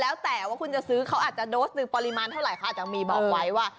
แล้วแต่ว่าคุณจะซื้อเขาอาจจะโดสหนึ่งปริมาณเท่าไหร่เขาอาจจะมีบอกไว้ว่า